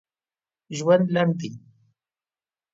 ژوند لنډ دی.